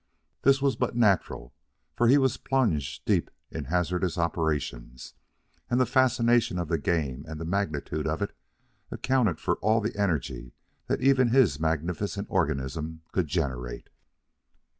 This was but natural, for he was plunged deep in hazardous operations, and the fascinations of the game and the magnitude of it accounted for all the energy that even his magnificent organism could generate.